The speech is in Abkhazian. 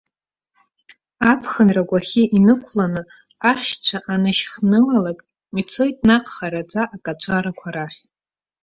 Аԥхынра агәахьы инықәланы, ахьшьцәа анышьхнылалак ицоит наҟ, хараӡа акаҵәарақәа рахь.